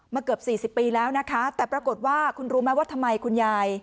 เกือบสี่สิบปีแล้วนะคะแต่ปรากฏว่าคุณรู้ไหมว่าทำไมคุณยาย